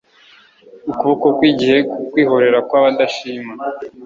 ukuboko kwigihe kukwihorera kubadashima